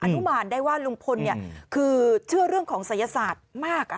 นุมานได้ว่าลุงพลคือเชื่อเรื่องของศัยศาสตร์มาก